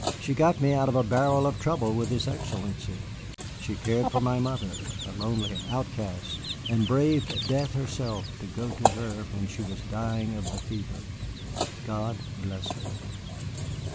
She got me out of a barrel of trouble with his Excellency. She cared for my mother, a lonely outcast, and braved death herself to go to her when she was dying of the fever. God bless her!"